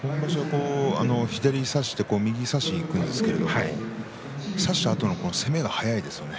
左を差して右を差しにいくんですが差したあとの攻めが速いですよね。